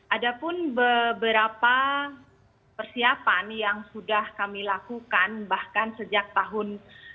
ada pun beberapa persiapan yang sudah kami lakukan bahkan sejak tahun dua ribu dua